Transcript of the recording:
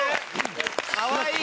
かわいい！